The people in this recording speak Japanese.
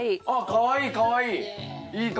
あっかわいいかわいい。